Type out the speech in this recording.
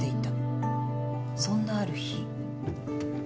そんなある日。